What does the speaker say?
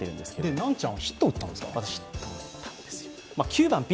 南ちゃん、ヒットを打ったんですか？